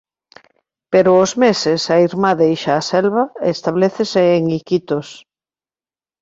Pero aos meses a irmá deixa a selva e establécese en Iquitos.